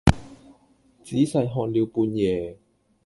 仔細看了半夜，